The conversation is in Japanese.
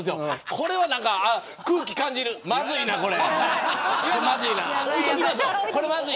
これは空気感じるまずいな、これ。